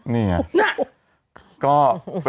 นี่อะ